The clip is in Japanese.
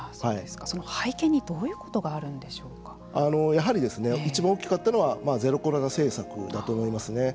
その背景にどういうことがあるんでしょうかやはりいちばん大きかったのはゼロコロナ政策だと思いますね。